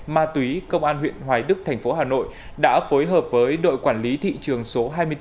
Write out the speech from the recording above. ma túy công an huyện hoài đức thành phố hà nội đã phối hợp với đội quản lý thị trường số hai mươi bốn